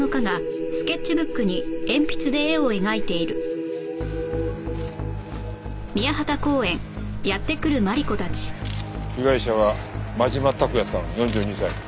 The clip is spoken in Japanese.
ニトリ被害者は真島拓也さん４２歳。